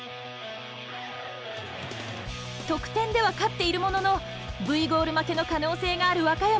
得点では勝っているもののＶゴール負けの可能性がある和歌山。